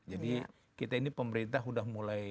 jadi kita ini pemerintah udah mulai